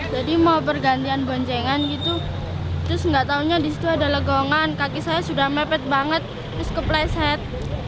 jadi mau pergantian boncengan gitu terus gak taunya disitu ada legongan kaki saya sudah mepet banget terus kepleset